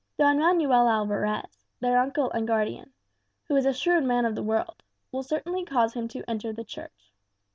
Don Manuel Alvarez, their uncle and guardian, who is a shrewd man of the world, will certainly cause him to enter the Church.